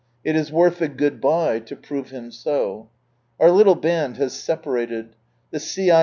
It is worth the "Good bye" lo prove Him so. Our Httle band has separated. The C.LM.